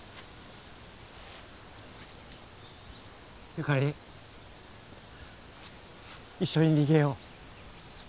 由香利一緒に逃げよう。